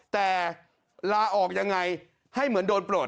แต่ลาออกยังไงให้เหมือนโดนโปรด